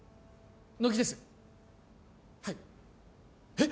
えっ